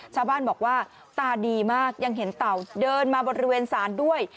ชาวบ้านบอกว่าตาดีมากยังเห็นเต่าเดินมาบริเวณศาลด้วย